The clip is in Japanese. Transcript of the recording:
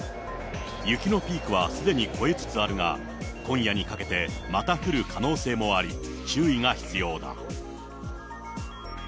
雪のピークはすでに越えつつあるが、今夜にかけて、また降る可能性もあり、注意が必要だ。